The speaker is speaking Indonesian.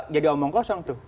jadi omong kosong tuh